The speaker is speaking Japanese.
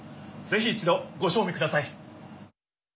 ぜひ一度ごしょう味ください！